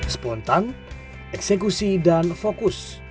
spontan eksekusi dan fokus